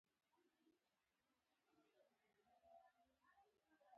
د افغاني فلمونو صنعت څنګه دی؟